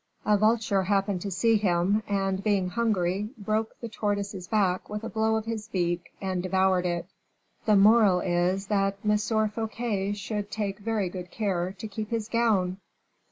A vulture happened to see him, and being hungry, broke the tortoise's back with a blow of his beak and devoured it. The moral is, that M. Fouquet should take very good care to keep his gown."